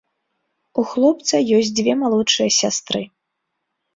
У хлопца ёсць дзве малодшыя сястры.